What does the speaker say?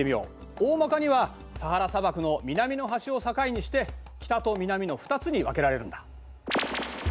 おおまかにはサハラ砂漠の南の端を境にして北と南の２つに分けられるんだ。